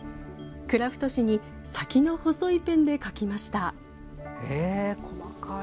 クラフト紙に先の細いペンで描きました。